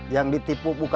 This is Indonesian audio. yang ditipu orang itu dia